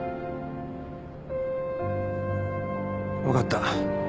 分かった。